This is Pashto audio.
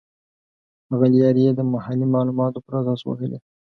هغه لیارې یې د محلي معلوماتو پر اساس وهلې.